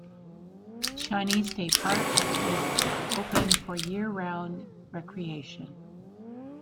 Shawnee State Park is open for year-round recreation.